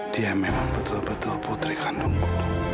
dia memang betul betul putri kandungku